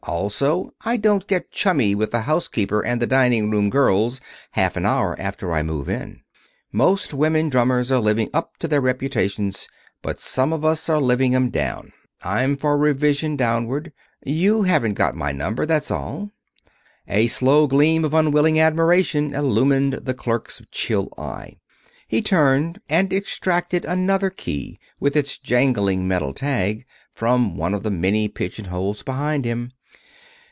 Also I don't get chummy with the housekeeper and the dining room girls half an hour after I move in. Most women drummers are living up to their reputations, but some of us are living 'em down. I'm for revision downward. You haven't got my number, that's all." A slow gleam of unwilling admiration illumined the clerk's chill eye. He turned and extracted another key with its jangling metal tag, from one of the many pigeonholes behind him.